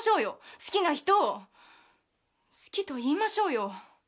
「好きな人を好きと言いましょうよ」